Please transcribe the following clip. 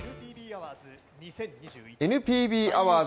ＮＰＢアワーズ